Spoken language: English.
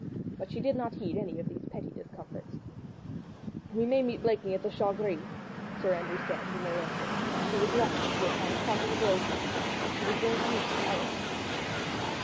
But she did not heed any of these petty discomforts: "We may meet Blakeney at the 'Chat Gris,'" Sir Andrew had said, when they landed, and she was walking as if on a carpet of rose leaves, for she was going to meet him almost at once.